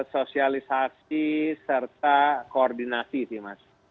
sosialisasi serta koordinasi sih mas